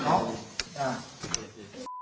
น้าสาวของน้าผู้ต้องหาเป็นยังไงไปดูนะครับ